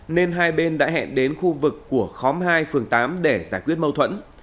nên hai bên đã hẹn đến khu vực của khóm hai phường tám để giải quyết mâu thuẫn